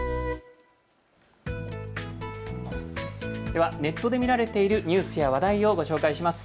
ではネットで見られているニュースや話題を紹介します。